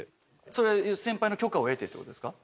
それは先輩の許可を得てって事ですか？